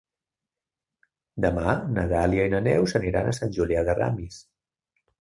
Demà na Dàlia i na Neus aniran a Sant Julià de Ramis.